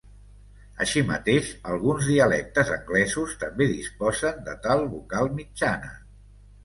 Així mateix, alguns dialectes anglesos també disposen de tal vocal mitjana.